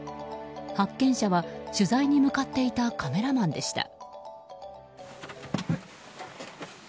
発見者は取材に向かっていたカメラマンでした。